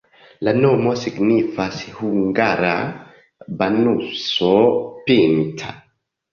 La nomo signifas hungara-banuso-pinta.